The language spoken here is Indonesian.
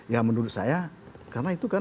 ya menurut saya karena itu kan